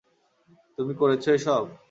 তুমি করেছো এসব?